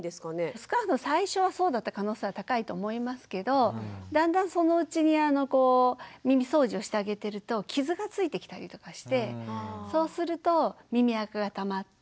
少なくとも最初はそうだった可能性は高いと思いますけどだんだんそのうちに耳そうじをしてあげてると傷がついてきたりとかしてそうすると耳あかがたまって。